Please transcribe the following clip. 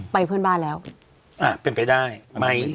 เสียงเพื่อนบ้านแล้วนะคือ